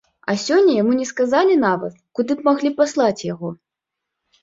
А сёння яму не сказалі нават, куды б маглі паслаць яго.